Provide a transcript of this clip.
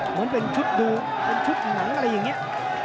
เหมือนเป็นชุดดูเป็นชุดหนังอะไรอย่างนี้